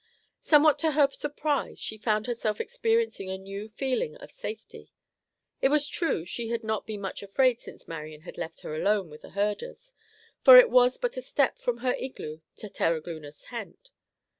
Somewhat to her surprise, she found herself experiencing a new feeling of safety. It was true she had not been much afraid since Marian had left her alone with the herders, for it was but a step from her igloo to Terogloona's tent.